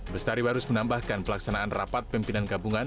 bestari barus menambahkan pelaksanaan rapat pimpinan gabungan